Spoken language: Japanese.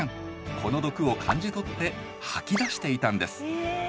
この毒を感じ取って吐き出していたんです。